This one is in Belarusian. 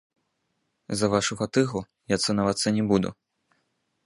За вашу фатыгу я цанавацца не буду!